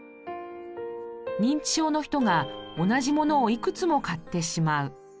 認知症の人が同じ物をいくつも買ってしまう。